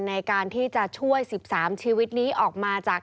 ในการที่จะช่วย๑๓ชีวิตนี้ออกมาจาก